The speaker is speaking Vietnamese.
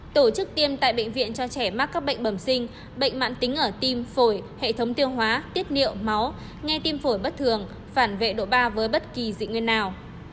tổ chức tiêm tại bệnh viện cho trẻ mắc các bệnh bẩm sinh bệnh mạng tính ở tim phổi hệ thống tiêu hóa tiết niệu máu nghe tim phổi bất thường phản vệ độ ba với bất kỳ dị nguyên nào